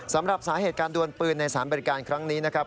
สำหรับสาเหตุการดวนปืนในสารบริการครั้งนี้นะครับ